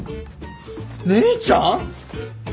姉ちゃん！？